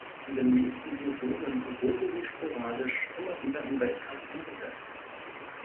In den nächsten Saisonen wurde sie sporadisch immer wieder im Weltcup eingesetzt.